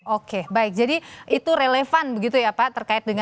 oke baik jadi itu relevan begitu ya pak terkait dengan